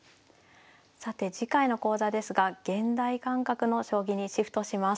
さて次回の講座ですが現代感覚の将棋にシフトします。